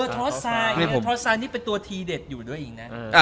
ทอสซาทอสซานี่เป็นตัวทีเด็ดอยู่ด้วยเองนะ